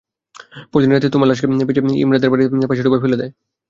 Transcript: পরদিন রাতে লাশ তোশকে পেঁচিয়ে ইমরানদের বাড়ির পাশের ডোবায় ফেলে দেয়।